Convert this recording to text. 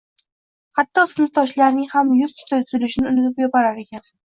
hatto sinfdoshlarining ham yuz tuzilishini unutib yuborar ekan.